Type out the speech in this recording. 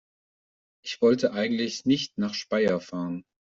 Ich wollte eigentlich nicht nach Speyer fahren